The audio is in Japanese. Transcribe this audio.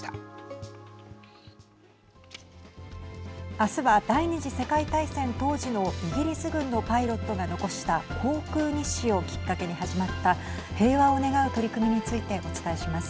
明日は第２次世界大戦当時のイギリス軍のパイロットが残した航空日誌をきっかけに始まった平和を願う取り組みについてお伝えします。